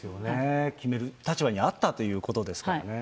決める立場にあったということですからね。